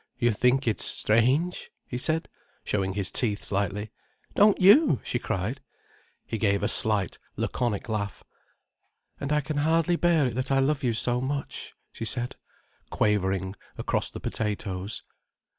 "You think it's strange?" he said, showing his teeth slightly. "Don't you?" she cried. He gave a slight, laconic laugh. "And I can hardly bear it that I love you so much," she said, quavering, across the potatoes.